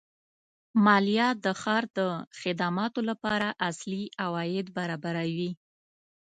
مالیه د ښار د خدماتو لپاره اصلي عواید برابروي.